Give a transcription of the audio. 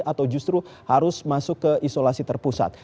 atau justru harus masuk ke isolasi terpusat